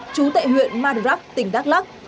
chú tại huyện madrak tỉnh đắk lắc